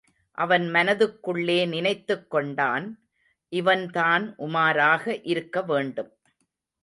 அவன் மனதுக்குள்ளே நினைத்துக் கொண்டான், இவன்தான் உமாராக இருக்க வேண்டும்.